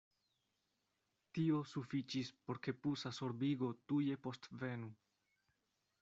Tio sufiĉis, por ke pusa sorbigo tuje postvenu.